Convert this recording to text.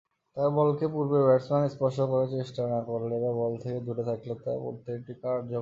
তবে বলকে পূর্বে ব্যাটসম্যান স্পর্শ করার চেষ্টা না করলে বা বল থেকে দূরে থাকলে তা পড়লে এটি কার্যকর হবে না।